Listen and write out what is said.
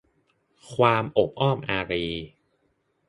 ความโอบอ้อมอารี